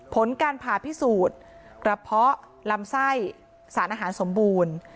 ผลการผ่าพิสูจน์กระเพาะลำไส้สารอาหารสมบูรณ์